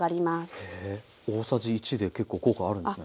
大さじ１で結構効果あるんですね。